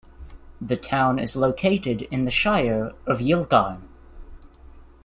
The town is located in the Shire of Yilgarn.